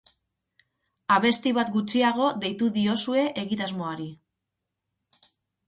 Abesti bat gutxiago deitu diozue egitasmoari.